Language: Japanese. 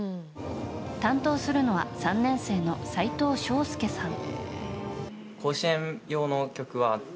担当するのは３年生の齋藤咲祐さん。